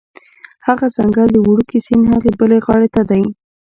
هغه ځنګل د وړوکي سیند هغې بلې غاړې ته دی